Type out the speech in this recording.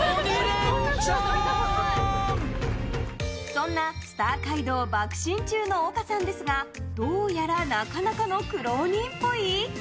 そんなスター街道ばく進中の丘さんですがどうやらなかなかの苦労人っぽい？